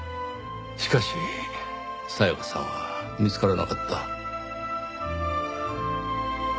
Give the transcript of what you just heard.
しかし沙也加さんは見つからなかった。